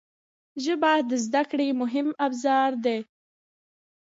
ژبه د زده کړې مهم ابزار دی